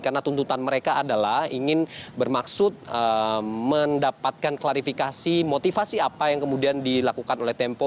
karena tuntutan mereka adalah ingin bermaksud mendapatkan klarifikasi motivasi apa yang kemudian dilakukan oleh tempo